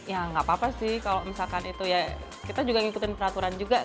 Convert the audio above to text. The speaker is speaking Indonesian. ya nggak apa apa sih kalau misalkan itu ya kita juga ngikutin peraturan juga